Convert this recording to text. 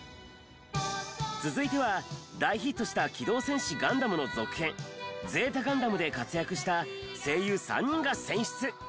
続いては大ヒットした『機動戦士ガンダム』の続編『Ｚガンダム』で活躍した声優３人が選出！